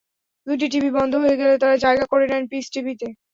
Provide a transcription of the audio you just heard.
দুটি টিভি বন্ধ হয়ে গেল তাঁরা জায়গা করে নেন পিস টিভিতে।